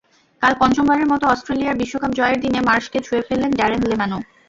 কাল পঞ্চমবারের মতো অস্ট্রেলিয়ার বিশ্বকাপ জয়ের দিনে মার্শকে ছুঁয়ে ফেললেন ড্যারেন লেম্যানও।